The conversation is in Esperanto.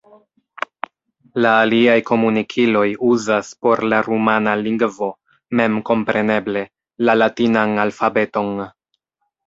La aliaj komunikiloj uzas por la rumana lingvo memkompreneble la latinan alfabeton.